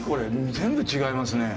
全部違いますね。